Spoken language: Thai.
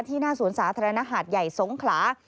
ที่หน้าศูนย์สาธารณหาดใหญ่สงขลา